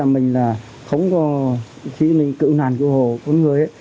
mình là không có khi mình cựu nàn cựu hồ con người ấy